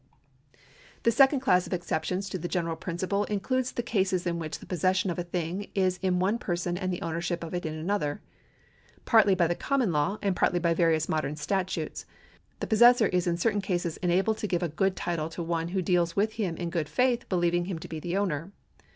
The second class of exceptions to the general principle includes the cases in which the possession of a thing is in one person and the ownership of it in another. Partly by the connnon law, and partly by various modern statutes, the possessor is in certain cases enabled to give a good title to one who deals with him in good faith believing him to be the owner.